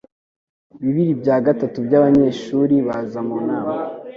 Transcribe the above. Bibiri bya gatatu byabanyeshuri baza mu nama.